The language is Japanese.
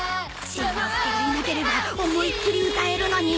しんのすけがいなければ思いっ切り歌えるのに